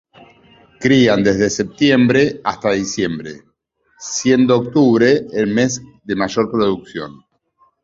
Crían desde septiembre hasta diciembre, siendo octubre el mes de mayor producción.